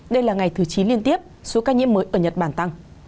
đây là ngày thứ chín liên tiếp số ca nhiễm mới ở nhật bản tăng